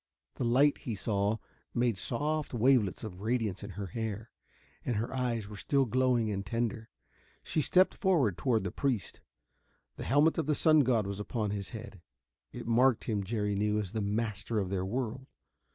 The light, he saw, made soft wavelets of radiance in her hair, and her eyes were still glowing and tender. She stepped forward toward the priest. The helmet of the sun god was upon his head. It marked him, Jerry knew, as the master of their world.